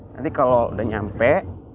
nanti kalo udah nyampe